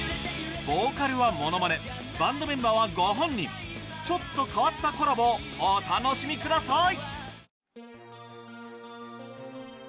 ボーカルはものまねバンドメンバーはご本人ちょっと変わったコラボをお楽しみください